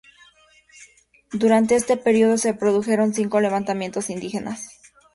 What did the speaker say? Durante este período se produjeron cinco levantamientos indígenas.